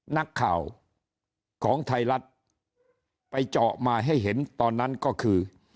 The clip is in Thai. นักข่าวของไทยรัฐไปเจาะมาให้เห็นตอนนั้นก็คือ